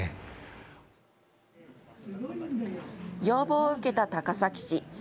要望を受けた高崎市。